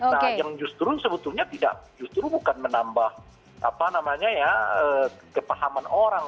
nah yang justru sebetulnya tidak justru bukan menambah apa namanya ya kepahaman orang